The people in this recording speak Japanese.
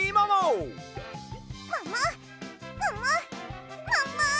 もももももも！